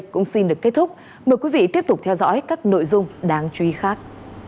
cảm ơn các bạn đã theo dõi và hẹn gặp lại